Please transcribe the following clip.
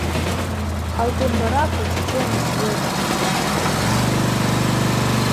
А ў тым бараку сцены свецяцца, вецер гуляе.